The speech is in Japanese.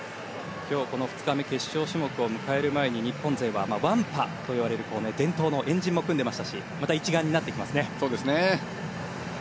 今日、この２日目決勝種目を迎える前に日本勢はワンパと呼ばれる伝統の円陣も組んでいましたしまた一丸になっていきますね。